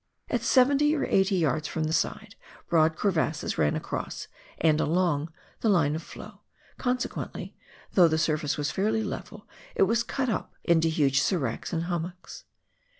At seventy or eighty yards from the side, broad crevasses ran across and along the line of flow, consequently, though the surface was fairly level, it was cut up into huge seracs and hummocks.